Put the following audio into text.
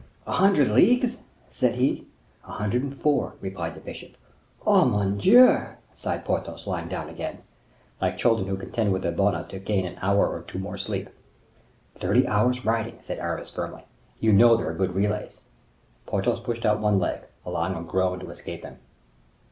"A hundred leagues?" said he. "A hundred and four," replied the bishop. "Oh! mon Dieu!" sighed Porthos, lying down again, like children who contend with their bonne to gain an hour or two more sleep. "Thirty hours' riding," said Aramis, firmly. "You know there are good relays." Porthos pushed out one leg, allowing a groan to escape him.